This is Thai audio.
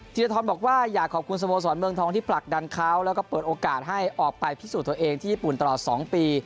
ธีรทรบอกว่าอยากขอบคุณสโมสรเมืองทองที่ผลักดันเขาแล้วก็เปิดโอกาสให้ออกไปพิสูจน์ตัวเองที่ญี่ปุ่นตลอด๒ปี